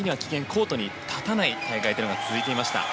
コートに立たない大会というのが続いていました。